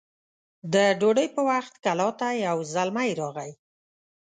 د ډوډۍ په وخت کلا ته يو زلمی راغی